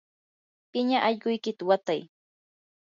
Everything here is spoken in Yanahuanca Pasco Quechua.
piña allquykita watay.